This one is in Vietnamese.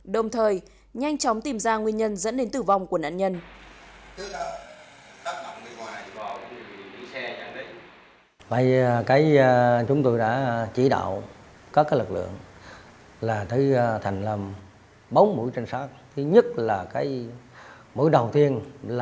đồng thời nhanh chóng tìm ra nguyên nhân dẫn đến tử vong của nạn nhân